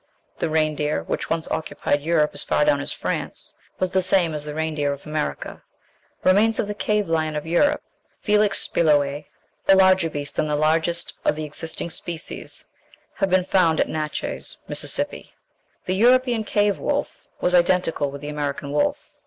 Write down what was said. The reindeer, which once occupied Europe as far down as France, was the same as the reindeer of America. Remains of the cave lion of Europe (Felix speloæ), a larger beast than the largest of the existing species, have been found at Natchez, Mississippi. The European cave wolf was identical with the American wolf.